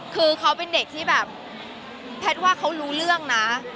คือเขาเป็นเด็กที่แบบแพทย์ว่าเขารู้เรื่องนะ